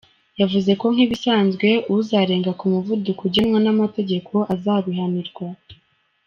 Yavuze ko nk’ibisanzwe uzarenga ku muvuduko ugenwa n’amategeko azabihanirwa.